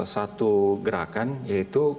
satu gerakan yaitu